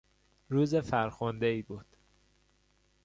روز فرخندهای بود.